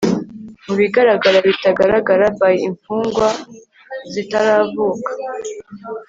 Mubigaragara bitagaragara by imfungwa zitaravuka